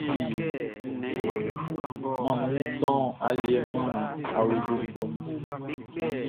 Manmin ton aliɛ man awlobofuɛ mun.